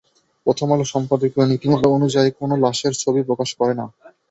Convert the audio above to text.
প্রথম আলো সম্পাদকীয় নীতিমালা অনুযায়ী কোনো লাশের ছবি প্রকাশ করে না।